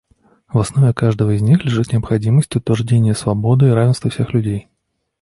В основе каждого из них лежит необходимость утверждения свободы и равенства всех людей.